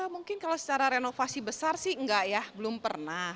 mungkin kalau secara renovasi besar sih enggak ya belum pernah